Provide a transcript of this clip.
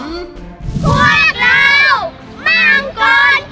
พวกเรามังกรจิ๋ว